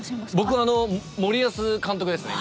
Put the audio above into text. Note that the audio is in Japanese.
僕あの森保監督ですね。